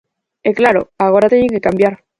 E, claro, agora teñen que cambiar.